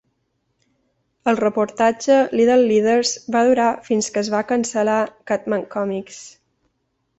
El reportatge "Little Leaders" va durar fins que es va cancel·lar "Cat-Man Comics".